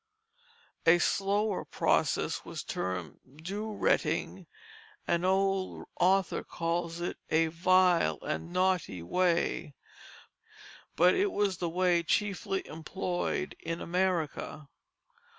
A slower process was termed dew retting; an old author calls it "a vile and naughty way," but it was the way chiefly employed in America.